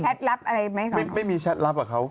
มีแชทรัพย์อะไรไหมครับไม่มีแชทรัพย์อ่ะเขา